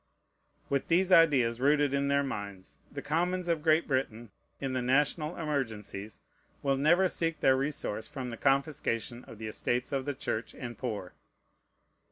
With these ideas rooted in their minds, the Commons of Great Britain, in the national emergencies, will never seek their resource from the confiscation of the estates of the Church and poor.